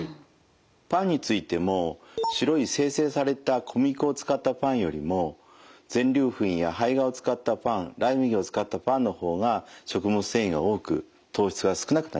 パンについても白い精製された小麦粉を使ったパンよりも全粒粉や胚芽を使ったパンライ麦を使ったパンの方が食物繊維が多く糖質は少なくなります。